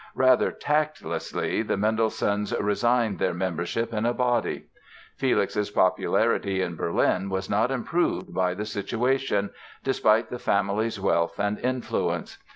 Rather tactlessly the Mendelssohns resigned their membership in a body. Felix's popularity in Berlin was not improved by the situation, despite the family's wealth and influence.